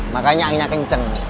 makanya anginnya kenceng